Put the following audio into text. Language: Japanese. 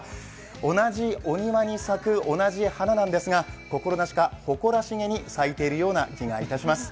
同じお庭に咲く同じ花なんですが、心なしか誇らしげに咲いているように感じます。